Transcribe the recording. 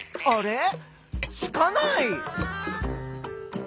あれ？